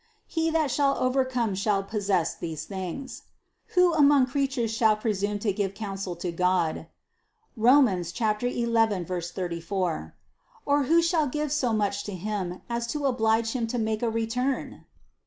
He that shall overcome shall possess these things." Who among creatures shall presume to give counsel to God (Rom. 11, 34) or who shall give so much to Him as to oblige Him to make a return?